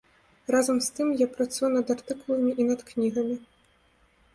Разам з тым я працую над артыкуламі і над кнігамі.